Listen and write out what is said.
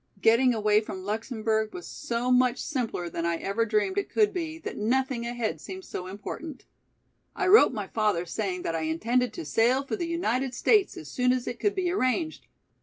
Getting away from Luxemburg was so much simpler than I ever dreamed it could be, that nothing ahead seems so important. I wrote my father saying that I intended to sail for the United States as soon as it could be arranged.